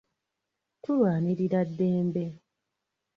Tulwanirira ddembe.